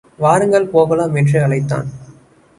வாருங்கள் போகலாம் என்று அழைத்தான்.